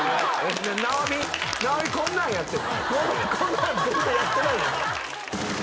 こんなん全然やってないよ。